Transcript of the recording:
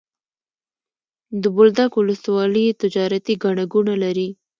د بولدک ولسوالي تجارتي ګڼه ګوڼه لري.